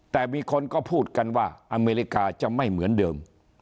แต่มีคนก็พูดกันว่าอเมริกาจะไม่เหมือนเดิม